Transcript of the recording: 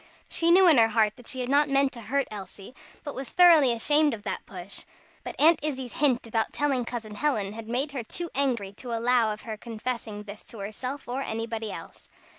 She knew in her heart that she had not meant to hurt Elsie, but was thoroughly ashamed of that push; but Aunt Izzie's hint about telling Cousin Helen, had made her too angry to allow of her confessing this to herself or anybody else.